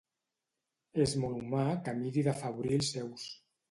És molt humà que miri d'afavorir els seus.